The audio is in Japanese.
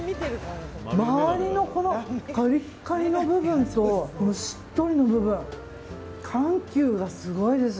周りのこのカリッカリの部分としっとりの部分緩急がすごいです。